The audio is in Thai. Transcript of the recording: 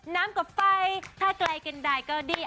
น้ำกับไฟถ้าไกลกันได้ก็ดี